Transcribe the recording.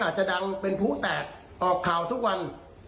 จะดังเป็นผู้แตกออกข่าวทุกวัน